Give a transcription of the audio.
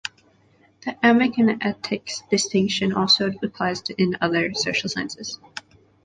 The emic and etic distinction also applies in other social sciences.